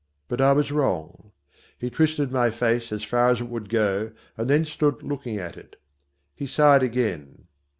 But I was wrong. He twisted my face as far as it would go and then stood looking at it. He sighed again.